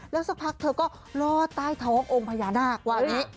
แล้วสักพักเธอก็ลอดใต้เทาะองค์พญานาควะนี้